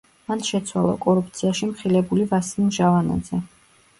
მან შეცვალა კორუფციაში მხილებული ვასილ მჟავანაძე.